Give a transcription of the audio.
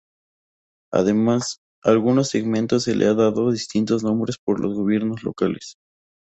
Además, algunos segmentos se le ha dado distintos nombres por los gobiernos locales.